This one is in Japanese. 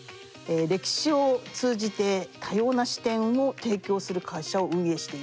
歴史を通じて多様な視点を提供する会社を運営している。